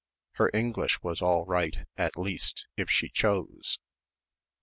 And her English was all right at least, if she chose....